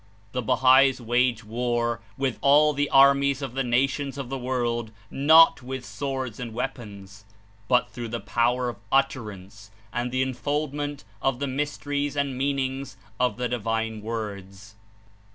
The Bahais wage war with all the armies of the nations of the world, not with swords and weapons, but through the power of Utterance and the unfoldment of the mys teries and meanings of the Divine Words.